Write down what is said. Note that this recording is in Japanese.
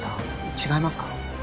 違いますか？